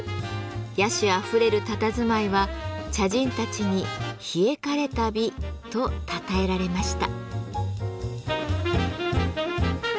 野趣あふれるたたずまいは茶人たちに「冷え枯れた美」とたたえられました。